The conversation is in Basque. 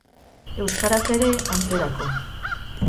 Euskaraz ere, antzerako.